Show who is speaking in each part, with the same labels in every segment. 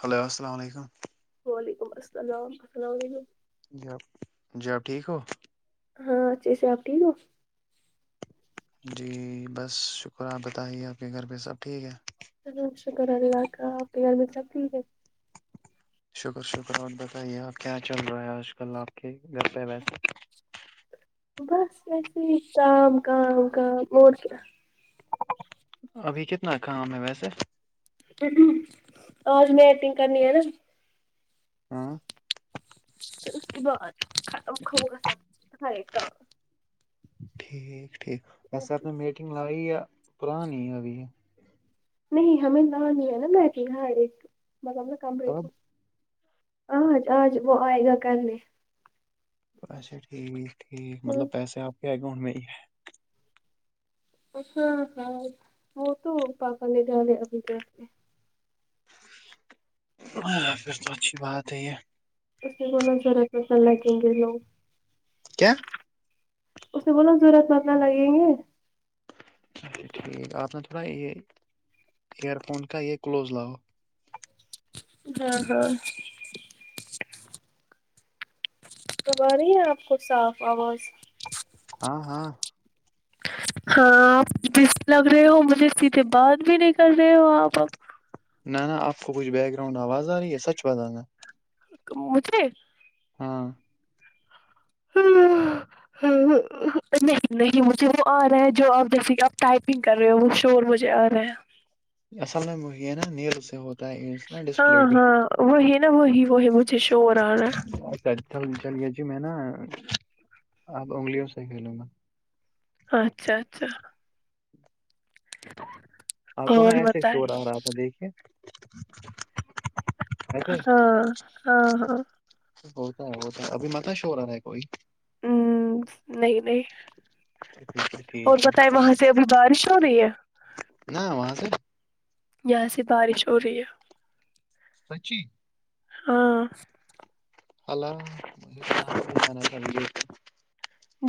Speaker 1: Hello السلام علیکم
Speaker 2: وعلیکم السلام السلام علیکم
Speaker 1: جب جب ٹھیک ہو
Speaker 2: ہاں اچھے سے آپ ٹھیک ہو
Speaker 1: جی بس شکرہ آپ بتائیے آپ کے گھر پہ سب ٹھیک ہے
Speaker 2: س اش کرا ل کا آ کے گھر میں سب ٹھیک ہے
Speaker 1: شکر شکر آ بتائیے آپ کیا چل رہا ہے آج کل آپ کے گھر پہ ویسے
Speaker 2: بس ویسے ہی کاام کام کام اور کیا
Speaker 1: ابھی کتنا کام ہے ویسے
Speaker 2: آج میں ایٹنگ کرنی ہے نا
Speaker 1: ہاں
Speaker 2: اس کے بعات خوا ہے کا
Speaker 1: ٹھیک ٹھیک ویسےپ نے میٹنگ لائی ہے پرانی ابھی
Speaker 2: نہیں ہمیں ل نہیں ہے نا بیھ ہ ری مطلبا کم ریٹ
Speaker 1: تب
Speaker 2: آج آج وہ آئے گا کرنے
Speaker 1: اھا ٹھیک ٹھیک
Speaker 2: ہاں
Speaker 1: مطلب پیسے آپ کے آئے گے ان میں ہی ہے
Speaker 2: ہاں ہاں وہ تو پپا نے جال ابھی جے
Speaker 1: ہاں پھر تو اچھی بات ہے یہ
Speaker 2: اس کی کو ن ضرورت پسند لگیں گے لوگ
Speaker 1: کیا
Speaker 2: اسے بولو ضرورت منا لگیں گے
Speaker 1: اچا ٹھیک آپ ن تھوڑا یہ ائر فون کا یہ کلوز لاگو
Speaker 2: ہاں ہاں توب رہی ہے آپ کو صاف آواز
Speaker 1: ہاں ہاں
Speaker 2: ہاں آپ جس لگ رہے ہو مجھے سیھے بعد بھی نکل رہے ہو آپ اب
Speaker 1: نہ نا آپ کو کچھ بیک گراؤنڈ آواز آ رہی ہے سچ بازانا
Speaker 2: مجے
Speaker 1: ہاں
Speaker 2: ہ ہ ہ نہیں نہیں مجھے وہ آ رہا ہے جو آپ جیسے کہ آپ ٹائپنگ کر رہے ہو وہ شور مجھے آ رہے ہیں
Speaker 1: اصل میں یہ ہے نا نیل سے ہوتا ہے ع
Speaker 2: ہاں ہاں وہی نا وہی وہی مجھے شور آ رہا ہے
Speaker 1: ل چل گیا جی میں نا آپ انگلیوں سے کھیلوں گا
Speaker 2: اچھا اچھا [unintelligible]
Speaker 1: آپ کو نا ایسے
Speaker 2: بتائے
Speaker 1: شور آ رہا تھا دیکھیے
Speaker 2: ہاں
Speaker 1: ایسے
Speaker 2: ہاں ہاں
Speaker 1: ہوتا ہے ہوتا ہے ابھی مت ش ہو رہا ہے کوئی
Speaker 2: ہمم نہیں نہیں اور
Speaker 1: ٹھیک ہے
Speaker 2: بتائے وہاں سے ابھی بارش ہو رہی ہے
Speaker 1: نا وہاں سے
Speaker 2: یہاں سے بارش ہو رہی ہے
Speaker 1: سچی
Speaker 2: ہاں
Speaker 1: اللہ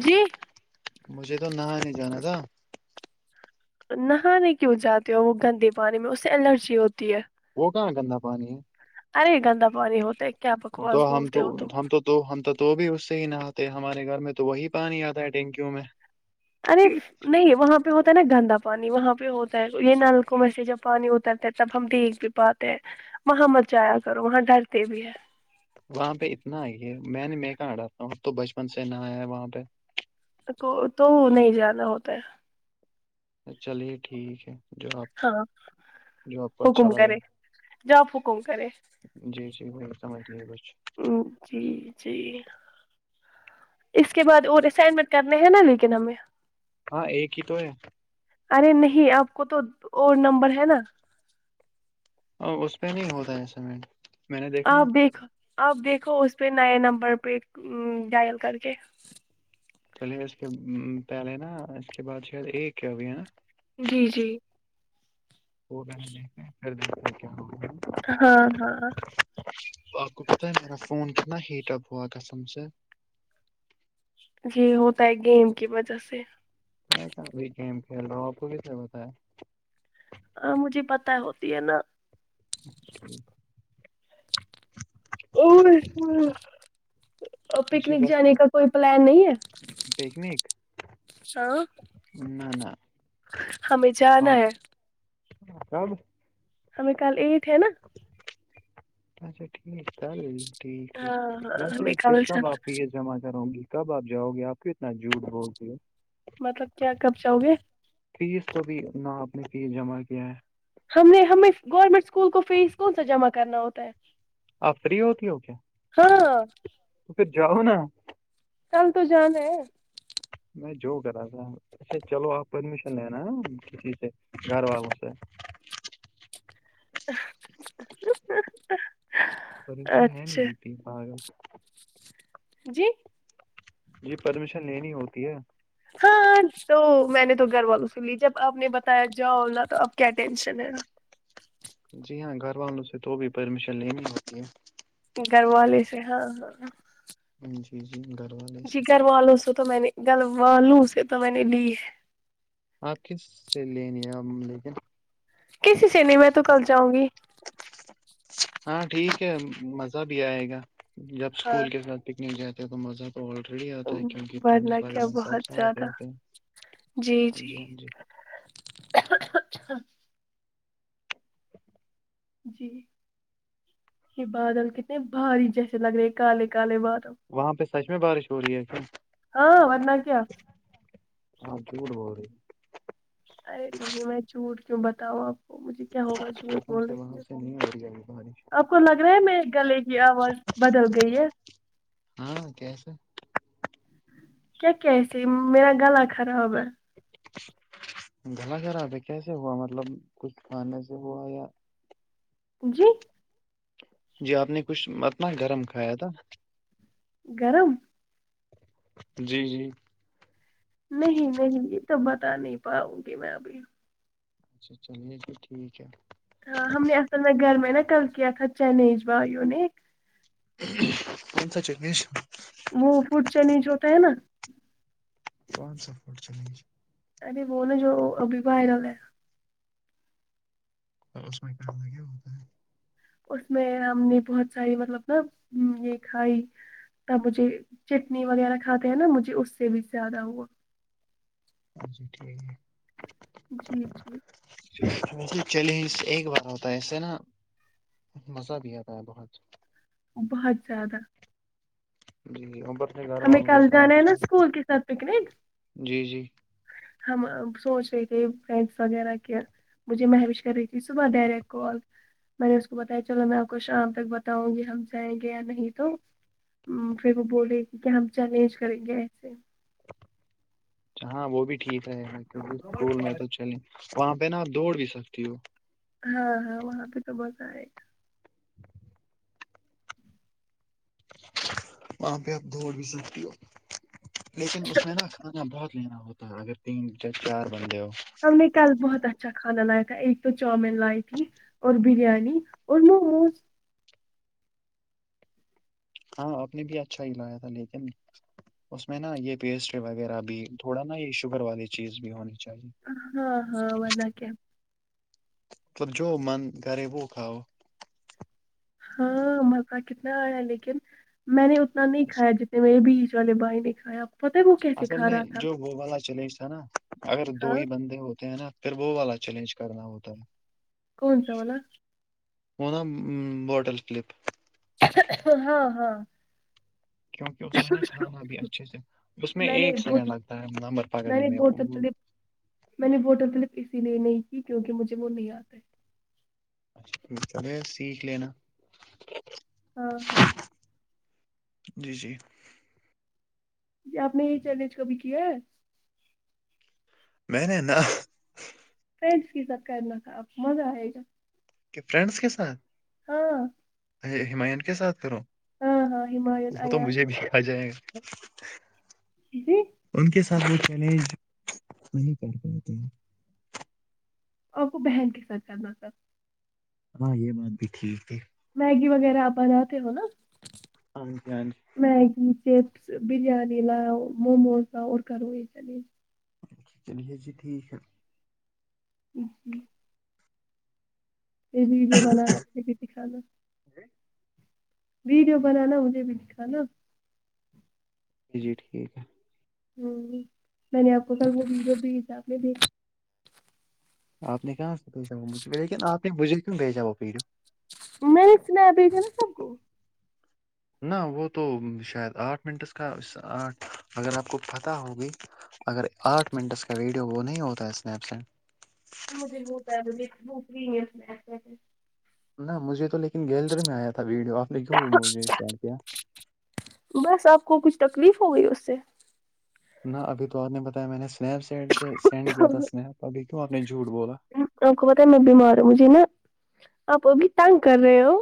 Speaker 2: جی
Speaker 1: مجھے تو نہا نہیں جانا تھا
Speaker 2: نہانے کیوں جاتے ہو وہ گندے پانی میں اس سے الرجی ہوتی ہے
Speaker 1: وہ کہاں گندا پانی ہے
Speaker 2: ارے گندا پانی ہوتے کیا
Speaker 1: تو
Speaker 2: بکواس
Speaker 1: ہم
Speaker 2: بولتے ہو تو
Speaker 1: ہم تو ہم تو تو بھی اس سے ہی نہاتے ہمارے گھر میں تو وہی پانی آتا ہے ٹینکیوں میں
Speaker 2: ارے نہیں وہاں پہ ہوتا ہے نا گندا پانی وہاں پہ ہوتا ہے یہ نلکوں میں سے جب پانی اترتا ہے تب ہم دیکھ بھی پاتے ہیں وہاں مت جایا کرو وہاں ڈرتے بھی ہیں
Speaker 1: وہاں پہ اتنا آئی ہے میں نے م کہاں ہڑاتا ہوں تو بچپن سے ن آیا ہے وہاں پہ
Speaker 2: کو تو نہیں جانا ہوتا ہے
Speaker 1: چلیے ٹھیک ہے جو آپ
Speaker 2: ہاں
Speaker 1: جو آپ کو اچھا
Speaker 2: حکم
Speaker 1: لگے
Speaker 2: کرے جاب حکم کرے
Speaker 1: جی جی ب سمجھ لیے کچھ
Speaker 2: جی جی اس کے بعد اور اسائنمنٹ کرنے ہیں نا لیکن ہمیں
Speaker 1: ہاں ایک ہی تو ہے
Speaker 2: ارے نہیں آپ کو تو اور نمبر ہے نا
Speaker 1: اور اس پہ نہیں ہوتا ہے سیمنٹ میں نے دیکھا نا
Speaker 2: آپ دیکھو آپ دیکھو اس پہ نئے نمبر پہ ڈائل کر کے
Speaker 1: چلیے اس کے پہلے نا اس کے بعد شاید ایک ہے ابھی ہے نا
Speaker 2: جی جی
Speaker 1: ہو گیا ہے دیکھتے پھر دیکھتے کیا ہوگا
Speaker 2: ہاں ہاں
Speaker 1: ہے میرا فون کتنا ہیٹ اپ ہوا قسم سے
Speaker 2: جی ہوتا ہے گیم کی وجہ سے
Speaker 1: میںسا ابھی گیم کھیل رہا ہوں آپ کو کیسے بتا ہے
Speaker 2: ہاں مجھے پتا ہوتی ہے نا
Speaker 1: اچ [inaudible]
Speaker 2: او ہوئے
Speaker 1: جی
Speaker 2: پکنک
Speaker 1: بس
Speaker 2: جانے کا کوئی پلان نہیں ہے
Speaker 1: پکنک
Speaker 2: ہاں
Speaker 1: نہ نہ
Speaker 2: ہمیں جانا ہے
Speaker 1: ہ کب
Speaker 2: ہمیں کل ایٹ ہے نا
Speaker 1: [inaudible] اچھا ٹھیک چل ٹھیک ٹھیک
Speaker 2: ہاں ہاں
Speaker 1: ویسے
Speaker 2: ہمیں
Speaker 1: پھر
Speaker 2: کل
Speaker 1: کب
Speaker 2: جانا۔
Speaker 1: آپ ہی ہے جمع کروں گی کب آپ جاؤ گے آپ کو اتنا جھوٹ بولتی ہو
Speaker 2: مطلب کیا کب جاؤگے
Speaker 1: فیس تو بھی اپنا آپ نے فیس جمع کیا ہے
Speaker 2: ہم نے ہمیں گورنمنٹ اسکول کو فیس کون سا جمع کرنا ہوتا ہے
Speaker 1: آپ فری ہوتی ہو کیا
Speaker 2: ہاں
Speaker 1: تو پھر جاؤ نا
Speaker 2: ٹم تو جانا ہے
Speaker 1: میں جو کرا تھا اچھا چلو آپ پرمیشن لینا کسی سے گھر والوں سے
Speaker 2: [inaudible]
Speaker 1: پریشان ہے نہیں
Speaker 2: اچھا
Speaker 1: ہوتی ہے پاگل
Speaker 2: جی
Speaker 1: جی پرمیشن لینی ہوتی ہے
Speaker 2: ہاں تو میں نے تو گھر والوں سے لی جب آپ نے بتایا جاؤ نہ تو آپ کیا ٹینشن ہے
Speaker 1: جی ہاں گھر والوں سے تو بھی پرمیشن لینی ہوتی ہے
Speaker 2: گھر والے سے ہاں ہاں
Speaker 1: جی جی گھر والے
Speaker 2: جی
Speaker 1: سے
Speaker 2: گھر والوں سے تو میں نے گھر والوں سے تو میں نے لی ہے
Speaker 1: آپ کس سے لینی ہیں لیکن
Speaker 2: کسی سے نہیں میں تو کل جؤں گی
Speaker 1: ہاں ٹھیک ہے مزہ بھی آئے گا جب
Speaker 2: ہاں
Speaker 1: اسکول کے ساتھ پکنک جات ہے تو مزہ آریڈی آتا ہے کیک
Speaker 2: ورنہ
Speaker 1: ڈ وغ
Speaker 2: کیا
Speaker 1: سب
Speaker 2: بہت
Speaker 1: آ
Speaker 2: زیادہ
Speaker 1: ہوتے ہاں جی ہاں جی
Speaker 2: اچا [unintelligible] جی یہ بادل کتنے بھاری جیسے لگ رہے کالے کالے بادل
Speaker 1: وہاں پہ سچ میں بارش ہو رہی ہے پ
Speaker 2: ہاں ورنہ کیا
Speaker 1: ہاں جھوڑ بول رہی
Speaker 2: ارے نہیں میں جھوٹ کیوں بتاؤں آپ کو مجھے کیا ہوگا جھوٹ بولنے سے
Speaker 1: جائے گ تو
Speaker 2: آپ کو لگ رہا ہے میرے گلے کی آواز بدل گئی ہے
Speaker 1: ہاں کیسے
Speaker 2: کیسے میرا غلا خرابر
Speaker 1: گلا خراباب ہے کیسے ہوا مطلب کچھ کھانے سے ہوا یا
Speaker 2: جی
Speaker 1: جی آپ نے کچھ اتنا گرم کھایا تھا
Speaker 2: گرم
Speaker 1: جی جی
Speaker 2: نہیں نہیں ج تو بتا نہیں پاؤں گی میں ابھی
Speaker 1: اچھا چلیے جی ٹھیک ہے
Speaker 2: ہاں ہم نے اصل میں گھر میں نا کل کیا تھا چنیج بھائیوں نے
Speaker 1: ام سات چ نش
Speaker 2: وہ فڈ چنی جو ہوتا ہے نا
Speaker 1: کون سو فٹ چل
Speaker 2: ا بول جو ابھیبائےلہ ہے
Speaker 1: تو اس میں کانا کیا ہوتا ہے
Speaker 2: اس میں ہم نے بہت ساری مطلب نا یہ کھائی تب مجھے چٹنی وغیرہ کھاتے ہیں نا مجھے اس سے بھی زیادہ ہوا
Speaker 1: جی ٹھیک ہے
Speaker 2: جی جی
Speaker 1: چیلنج ایک بار ہوتا ہے ایسے نا مزہ بھی آتا ہے بہت
Speaker 2: بہت زیادہ
Speaker 1: جی ابر سے گھر
Speaker 2: ہمیں
Speaker 1: والوں گ
Speaker 2: کل
Speaker 1: س
Speaker 2: جانا ہے نا اسکول کے ساتھ پکنک
Speaker 1: جی جی
Speaker 2: ہم سوچ رہے تھے فرینڈس وغیرہ کے مجھے محوش کر رہی تھی صبح دے ریک کال میں نے اس کو بتایا چلو میں آپ کو شام تک بتاؤں گی ہم جائیں گے یا نہیں تو پھر وہ بولے گی کیا ہم چیلنج کریں گے ایسے
Speaker 1: ج ہاں وہ بھی ٹھیک ہے کیونکہ اسکول میں تو چلیں وہاں پہ نا آپ دوڑ بھی سکتی ہو
Speaker 2: ہاں ہاں وہاں پہ تو بت آئے
Speaker 1: وہاں پہ اپ دوڑ بھی سکتی ہو لیکن اس
Speaker 2: گا
Speaker 1: میں نا کھانا بہت لینا ہوتا ہے اگر تین چار بندے ہو
Speaker 2: ہم نے کل بہت اچھا کھانا لایا تھا ایک تو چاؤمین لائی تھی اور بریانی اور موموز
Speaker 1: ہاں آپ نے بھی اچھا ہی لایا تھا لیکن اس میں نا یہ پیسٹری وغیرہ بھی تھوڑا نا یہ شوگر والی چیز بھی ہونی چاہیے
Speaker 2: ہاں ہاں وہنا کیا
Speaker 1: تو جو من کرے وہ کھاؤ
Speaker 2: ہاں مزہ کتنا آ رہا لیکن میں نے اتنا نہیں کھایا جتنا میں بھیچ والے بائی نے کھایا پتہ ہے وہ کیسے
Speaker 1: اصل
Speaker 2: کھا
Speaker 1: میں
Speaker 2: رہا تھا
Speaker 1: جو وہ والا چیلنج تھا نا اگر دو
Speaker 2: ہاں
Speaker 1: ہی بندے ہوتے ہیں نا پھر وہ والا چیلنج کرنا ہوتا ہے
Speaker 2: کون سا واللا
Speaker 1: وہ نا بوٹل کلپ
Speaker 2: ہاں ہاں
Speaker 1: کیونکہ اس میں نا کھانا بھی اچھے سے اس میں
Speaker 2: نے
Speaker 1: ایک سیکنڈ
Speaker 2: بہت
Speaker 1: لگتا ہے نمبر پکڑنے
Speaker 2: نے
Speaker 1: میں
Speaker 2: بہت مطلب میں نے ووٹل کلپ اسی لیے نہیں کی کیونکہ مجھے وہ نہیں آتا ہے
Speaker 1: رے سیکھ لینا
Speaker 2: [unintelligible]
Speaker 1: جی جی
Speaker 2: جی آپ نے یہی چیلنج کبھی کیا ہے
Speaker 1: میں نے ن
Speaker 2: کید فیصد کرنا کاپ مزہ آئے گا
Speaker 1: کہ فرینڈس کے ساتھ
Speaker 2: ہاں
Speaker 1: ہماین کے ساتھ کرو
Speaker 2: ہاں ہاں ہمایون
Speaker 1: وہ تو
Speaker 2: ایان
Speaker 1: مجھے بھی آ جائے گا
Speaker 2: جی جی
Speaker 1: ان کے ساتھ وہ چیلنج نہیں کر پاتے
Speaker 2: آپ کو بہن کے ساتھ کرنا تھا
Speaker 1: ہاں یہ بات بھی ٹھیک ہے
Speaker 2: میگی وغیرہ آپناتے ہو نا
Speaker 1: ہاں جی ہاں جی
Speaker 2: میگی چپس بریانی لا موموز لا اور کروں یہ چلی
Speaker 1: ا چلیے جی ٹھیک ہے
Speaker 2: ہوں ہوں یہ ویڈیو بنانا ر دکھانا
Speaker 1: جی
Speaker 2: ویڈیو بنانا مجھے بھی دکھان نا
Speaker 1: ج جی ٹھیک ہے
Speaker 2: ہوں میں نے آپ کو ک وہ بھی حساب میں دیکھ
Speaker 1: آپ نے کہاں سے بھیجاجھ لیکن آپ نے بجھے کیوں بھیجا وہ ویڈیو
Speaker 2: میرچ ن بھی تھا نا سب کو
Speaker 1: نہ وہ تو شاید آٹھ منٹس کا آٹھ اگر آپ کو پتہ ہوگئی اگر آٹھ منٹس کا ویڈیو وہ نہیں ہوتا ہے اسنیپ سٹ
Speaker 2: ہویک بھوکری اس
Speaker 1: نہ مجھے تو لیکن گیلری میں آیا تھا ویڈیو آپ نے کیوں مجھے سڈ کیا
Speaker 2: بس آپ کو کچھ تکلیف ہو گئی اس سے
Speaker 1: نہ ابھی تو آپ نے بتایا میں نے سنیپ چیٹ سے سینڈ کیا تھا اسنیپ ابھی کیوں آپ نے جھوٹ بولا
Speaker 2: آپ کو پتا ہے میں بیمار ہوں مجھے نا آپ ا بھی تنگ کر رہے ہو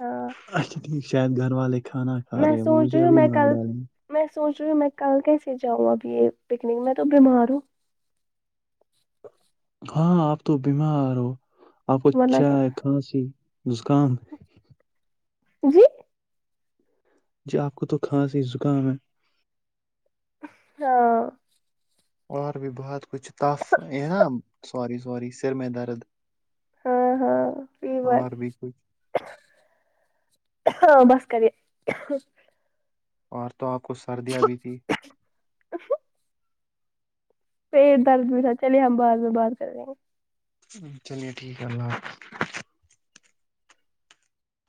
Speaker 2: ہاں
Speaker 1: اچا ٹھیک شاید گھر والک کانا
Speaker 2: میں
Speaker 1: ارے وہ
Speaker 2: سوچ
Speaker 1: مجھے
Speaker 2: رہی ہوں
Speaker 1: ابھی
Speaker 2: میں
Speaker 1: مار
Speaker 2: کل
Speaker 1: ڈالیں
Speaker 2: میں سوچ رہی ہوں میں کل کیسے جاؤں ابھی یہ پکنک میں تو بیمار ہوں
Speaker 1: ہاں آپ تو بیمار ہو آپ کو
Speaker 2: ورنہ کیا
Speaker 1: چائے کھانسی زسکام
Speaker 2: جی
Speaker 1: جی آپ کو تو خاص ہی زکام ہے
Speaker 2: ہاں
Speaker 1: اور بھی بہت کچھ تف ہے نا سوری سوری سر میں درد
Speaker 2: ہاں ہاں فی بات
Speaker 1: اور بھی کچھ
Speaker 2: ہاں بسکری
Speaker 1: اور تو آپ کو سردیاں بھی تھی
Speaker 2: ا پیٹ درد بھی تھا چلیے ہم بع میں بات کر رہیں گے
Speaker 1: چلیے ٹھیک ہے اللہ